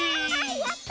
やった！